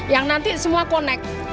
yang nanti semua connect